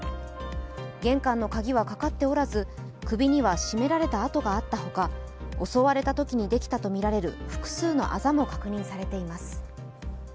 玄関の鍵はかかっておらず、首には絞められた痕があったほか襲われたときにできたとみられる複数のあざも確認されています。